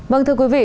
vâng thưa quý vị